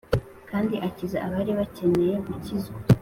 kandi akiza abari bakeneye gukizwa.